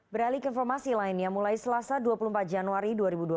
beralik informasi lainnya mulai selasa dua puluh empat januari dua ribu dua puluh